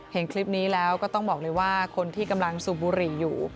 เห็นคลิปนี้แล้วก็ต้องบอกเลยว่าคนที่กำลังสูบบุหรี่อยู่